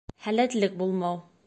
Һәләтлек булмау